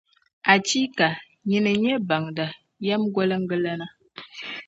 Achiika! Nyini n-nyɛ Baŋda, Yεmgoliŋgalana.